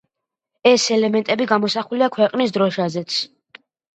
ეს ელემენტები გამოსახულია ქვეყნის დროშაზეც.